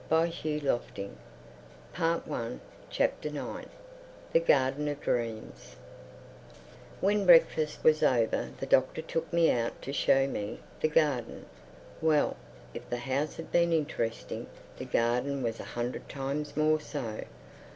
THE NINTH CHAPTER THE GARDEN OF DREAMS WHEN breakfast was over the Doctor took me out to show me the garden. Well, if the house had been interesting, the garden was a hundred times more so.